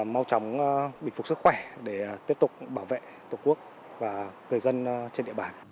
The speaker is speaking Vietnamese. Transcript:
mau chóng bình phục sức khỏe để tiếp tục bảo vệ tổ quốc và người dân trên địa bàn